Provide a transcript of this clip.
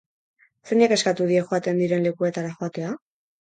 Zeinek eskatu die joaten diren lekuetara joatea?